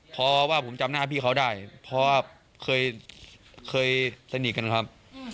เพราะว่าผมจำหน้าพี่เขาได้เพราะว่าเคยสนิทกันครับ